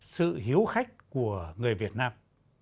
sự hiếu khách của người việt nam